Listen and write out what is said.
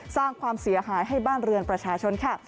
สร้างความเสียหายให้บ้านเรือนประชาชนค่ะ